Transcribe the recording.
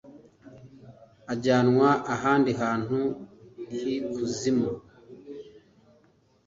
ajyanwa ahandi hantu h’ikuzimu